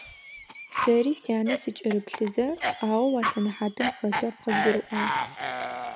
Сэри сянэ сыкӀырыплъызэ, шӀуагъэу а сэнэхьатым хэлъыр къызгурыӀуагъ.